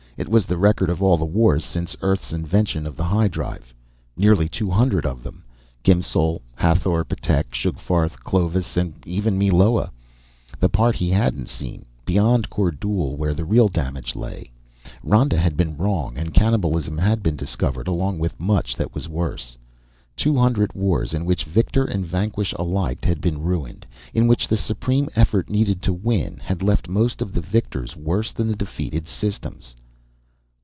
It was the record of all the wars since Earth's invention of the high drive nearly two hundred of them. Gimsul, Hathor, Ptek, Sugfarth, Clovis, and even Meloa the part he hadn't seen, beyond Kordule where the real damage lay; Ronda had been wrong, and cannibalism had been discovered, along with much that was worse. Two hundred wars in which victor and vanquished alike had been ruined in which the supreme effort needed to win had left most of the victors worse than the defeated systems.